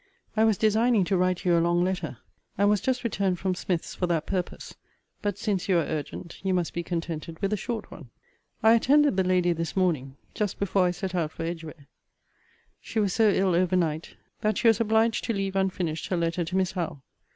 I was designing to write you a long letter, and was just returned from Smith's for that purpose; but, since you are urgent, you must be contented with a short one. I attended the lady this morning, just before I set out for Edgware. She was so ill over night, that she was obliged to leave unfinished her letter to Miss Howe.